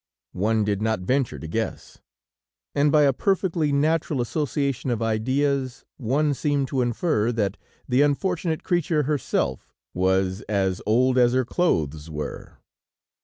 One did not venture to guess, and by a perfectly natural association of ideas, one seemed to infer that the unfortunate creature herself, was as old as her clothes were.